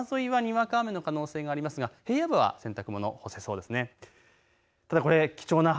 山沿いはにわか雨の可能性がありますが平野部は洗濯物が干せそうです。